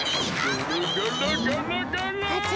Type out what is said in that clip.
ぐるぐるぐるぐる！